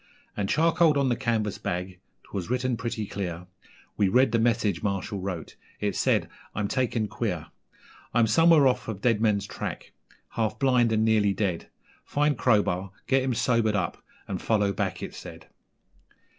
And charcoaled on the canvas bag ('twas written pretty clear) We read the message Marshall wrote. It said: 'I'm taken queer I'm somewhere off of Deadman's Track, half blind and nearly dead; Find Crowbar, get him sobered up, and follow back,' it said.